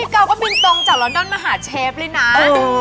เกาก็บินตรงจากลอนดอนมาหาเชฟเลยนะ